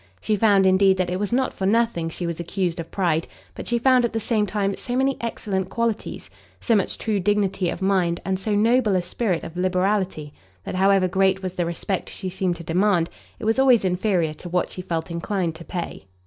She found, indeed, that it was not for nothing she was accused of pride, but she found at the same time so many excellent qualities, so much true dignity of mind, and so noble a spirit of liberality, that however great was the respect she seemed to demand, it was always inferior to what she felt inclined to pay.